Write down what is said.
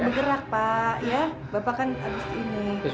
bisa berapa gee